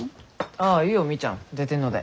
ああいいよみーちゃん出てんので。